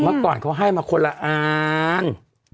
เมื่อก่อนเขาให้มาคนละอัน